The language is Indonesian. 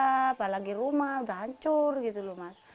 supaya lagi rumah udah hancur gitu loh mas